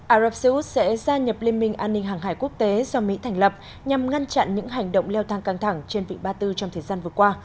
ả rập xê út sẽ gia nhập liên minh an ninh hàng hải quốc tế do mỹ thành lập nhằm ngăn chặn những hành động leo thang căng thẳng trên vịnh ba tư trong thời gian vừa qua